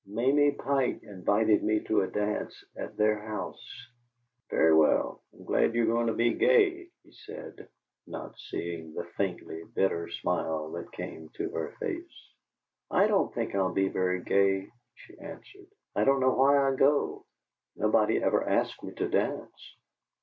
"Mamie Pike invited me to a dance at their house." "Very well; I'm glad you're going to be gay," he said, not seeing the faintly bitter smile that came to her face. "I don't think I'll be very gay," she answered. "I don't know why I go nobody ever asks me to dance."